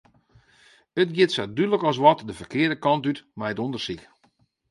It giet sa dúdlik as wat de ferkearde kant út mei it ûndersyk.